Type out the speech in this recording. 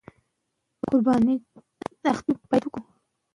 د ازادۍ لاره په قربانۍ او هوښیارۍ جوړېږي.